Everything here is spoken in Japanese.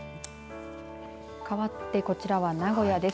かわって、こちらは名古屋です。